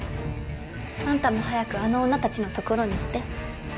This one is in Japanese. あんたも早くあの女たちの所に行って。